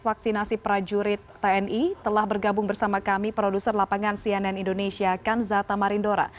vaksinasi prajurit tni telah bergabung bersama kami produser lapangan cnn indonesia kanza tamarindora